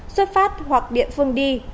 xuất phát hoặc địa phương đi